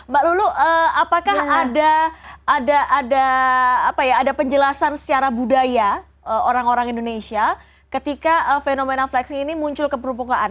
mbak lulu apakah ada penjelasan secara budaya orang orang indonesia ketika fenomena flexing ini muncul ke permukaan